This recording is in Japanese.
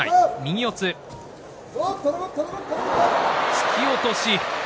突き落とし。